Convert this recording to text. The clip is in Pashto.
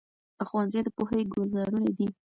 ښوونځي د پوهې ګلزارونه دي.